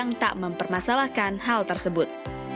yang tak mempermasalahkan hal tersebut